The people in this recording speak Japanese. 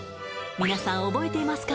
皆さん覚えていますか？